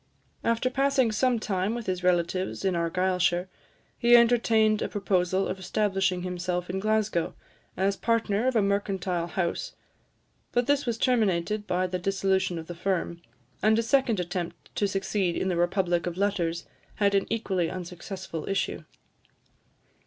After passing some time with his relatives in Argyllshire, he entertained a proposal of establishing himself in Glasgow, as partner of a mercantile house, but this was terminated by the dissolution of the firm; and a second attempt to succeed in the republic of letters had an equally unsuccessful issue.